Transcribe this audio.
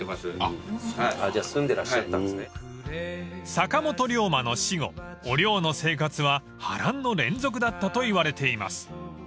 ［坂本龍馬の死後おりょうの生活は波乱の連続だったといわれています］